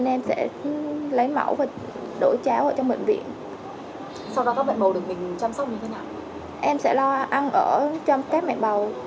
em tuyên mẹ bầu ở đâu